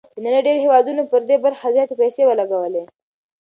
د نړۍ ډېرو هېوادونو پر دې برخه زياتې پيسې ولګولې.